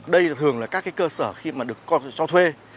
đây thường là các cái cơ sở khi mà được cho thuê